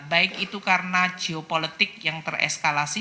baik itu karena geopolitik yang tereskalasi